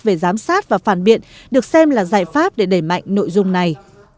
về giám sát và phản biện được xem là giải pháp để đẩy mạnh nội dung này